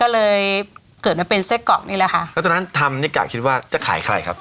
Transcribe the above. ก็เลยเกิดมาเป็นไส้กรอกนี่แหละค่ะแล้วตอนนั้นทำนี่กะคิดว่าจะขายใครครับ